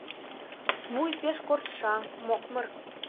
Вуй пеш коршта, мокмыр...